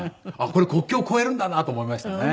これ国境超えるんだなと思いましたね。